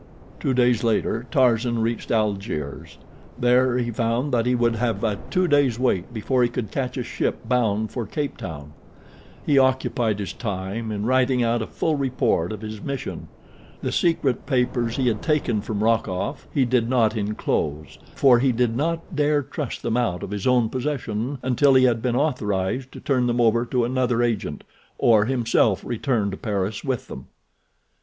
Two days later Tarzan reached Algiers. There he found that he would have a two days' wait before he could catch a ship bound for Cape Town. He occupied his time in writing out a full report of his mission. The secret papers he had taken from Rokoff he did not inclose, for he did not dare trust them out of his own possession until he had been authorized to turn them over to another agent, or himself return to Paris with them.